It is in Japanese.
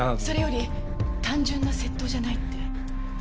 それより単純な窃盗じゃないって？